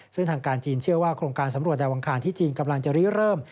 ซึ่งทางการจีนเชื่อว่าโครงการสำรวจดาวอังคารที่จีนกำลังจะเริ่ม